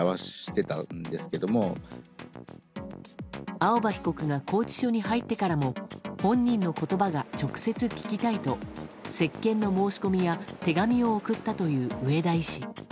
青葉被告が拘置所に入ってからも本人の言葉が直接聞きたいと接見の申し込みや手紙を送ったという上田医師。